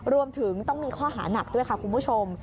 รวมถึงต้องมีข้อหานักด้วยค่ะคุณผู้ชม